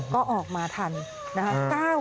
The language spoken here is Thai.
ก็ออกมาทันนะคะ